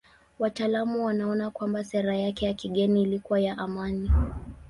Wataalamu wanaona kwamba sera yake ya kigeni ilikuwa ya amani.